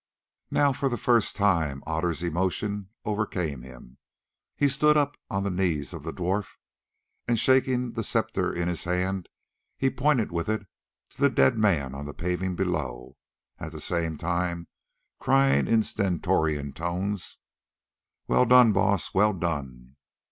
Now for the first time Otter's emotions overcame him. He stood up on the knees of the dwarf, and shaking the sceptre in his hand, he pointed with it to the dead men on the paving below, at the same time crying in stentorian tones: "Well done, Baas, well done!